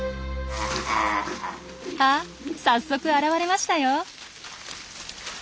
あっ早速現れましたよ。